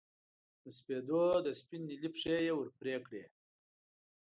د سپېدو د سپین نیلي پښې یې ور پرې کړې